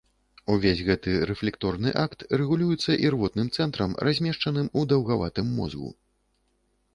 Увесь гэты рэфлекторны акт рэгулюецца ірвотным цэнтрам, размешчаным у даўгаватым мозгу.